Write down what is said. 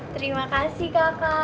terima kasih kakak